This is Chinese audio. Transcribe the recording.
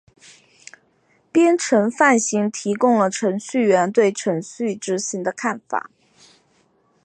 编程范型提供了程序员对程序执行的看法。